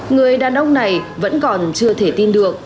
người đàn ông này vẫn còn chưa thể tin được